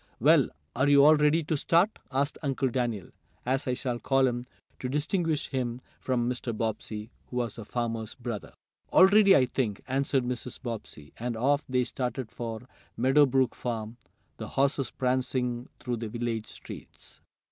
"Well, are you all ready to start?" asked Uncle Daniel, as I shall call him, to distinguish him from Mr. Bobbsey, who was the farmer's brother. "All ready, I think," answered Mrs. Bobbsey. And off they started for Meadow Brook farm, the horses prancing through the village streets.